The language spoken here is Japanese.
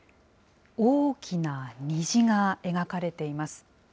大きな虹が描かれています。